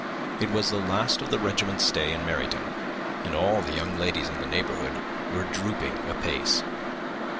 It was the last of the regiment's stay in Meryton, and all the young ladies in the neighbourhood were drooping apace.